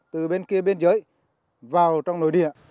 từ bên kia biên giới vào trong nội địa